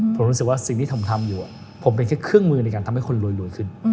ผมรู้สึกว่าสิ่งที่ผมทำอยู่ผมเป็นแค่เครื่องมือในการทำให้คนรวยขึ้น